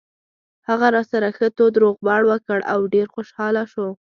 هغه راسره ښه تود روغبړ وکړ او ډېر خوشاله شو.